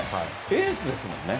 エースですもんね。